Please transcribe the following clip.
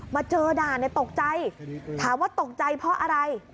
มาเจอด่านตกใจถามว่าตกใจเพราะอะไร